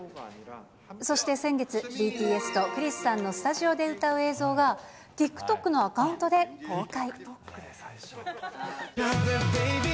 そして先月、ＢＴＳとクリスさんのスタジオで歌う映像が、ＴｉｋＴｏｋのアカウントで公開。